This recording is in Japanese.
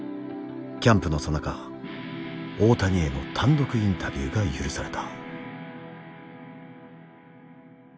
キャンプのさなか大谷への単独インタビューが許された。